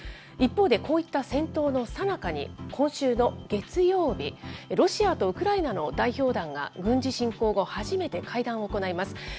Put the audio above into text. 一方で、こういった戦闘のさなかに、今週の月曜日、ロシアとウクライナの代表団が、軍事侵攻後、初めて会談を行います。